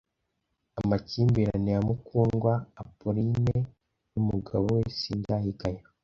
Amakimbirane ya Mukundwa Appolonie n’umugabo we Sindayigaya